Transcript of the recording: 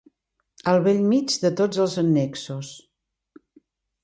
Al bell mig de tots els annexos.